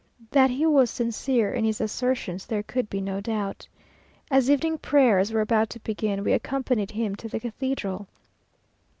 That he was sincere in his assertions, there could be no doubt. As evening prayers were about to begin, we accompanied him to the cathedral.